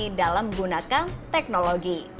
jangan salah menggunakan teknologi